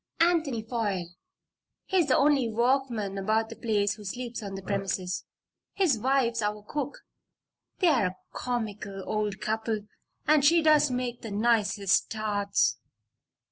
"Anthony Foyle. He's the only workman about the place who sleeps on the premises. His wife's our cook. They're a comical old couple and she does make the nicest tarts!